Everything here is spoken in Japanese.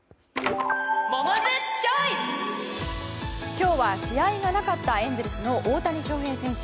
今日は試合がなかったエンゼルスの大谷翔平選手。